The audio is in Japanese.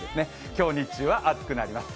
今日日中は暑くなります。